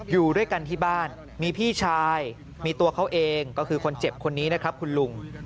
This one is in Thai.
อยู่ด้วยกันที่บ้านมีพี่ชายมีตัวเขาเองก็คือคนเจ็บคนนี้นะครับคุณลุง